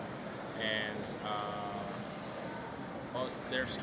ada juga support dari adb